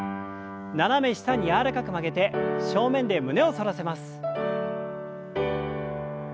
斜め下に柔らかく曲げて正面で胸を反らせます。